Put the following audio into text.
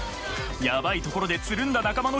やばいところでつるんだ仲間の一人です